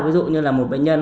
ví dụ như là một bệnh nhân